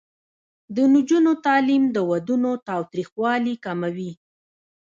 د نجونو تعلیم د ودونو تاوتریخوالي کموي.